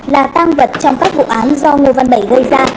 là tăng vật trong các vụ án do ngô văn bảy gây ra